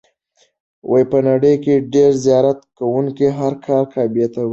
په نړۍ کې ډېر زیارت کوونکي هر کال کعبې ته ورځي.